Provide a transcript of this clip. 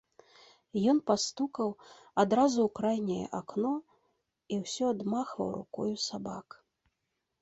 Ён пастукаў адразу ў крайняе акно і ўсё адмахваў рукою сабак.